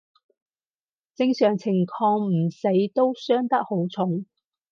正常情況唔死都傷得好重